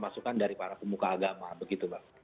masukan dari para pemuka agama begitu mbak